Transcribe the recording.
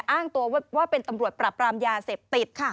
อ้างตัวว่าเป็นตำรวจปรับปรามยาเสพติด